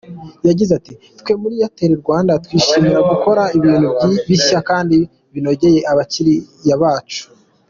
Yagize ati: “ Twe muri Airtel-Rwanda twishimira gukora ibintu bishya kandi binogeye abakiriya bacu.